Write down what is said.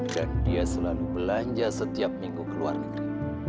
dan dia selalu belanja setiap minggu ke luar negeri